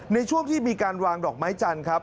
ในช่วงที่มีการวางดอกไม้จันทร์ครับ